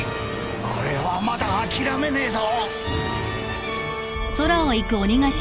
俺はまだ諦めねえぞ！